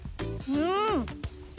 うん！